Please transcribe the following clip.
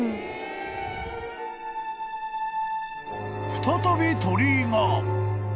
［再び鳥居が］